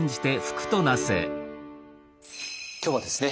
今日はですね